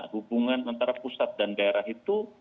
hubungan antara pusat dan daerah itu